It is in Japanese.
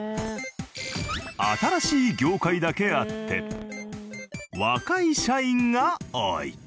新しい業界だけあって若い社員が多い。